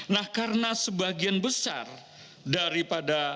nah karena sebagian besar daripada